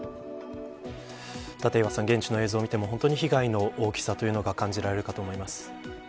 立岩さん、現地の映像を見ても被害の大きさを感じられるかと思います。